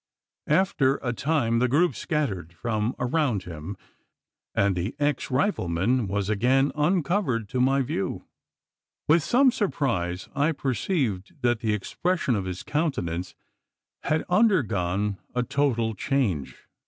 After a time, the group scattered from around him, and the ex rifleman was again uncovered to my view. With some surprise, I perceived that the expression of his countenance had undergone a total change.